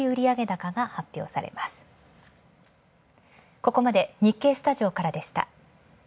ここまで日経スタジオからでした。